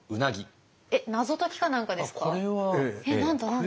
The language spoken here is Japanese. えっ謎解きか何かですか？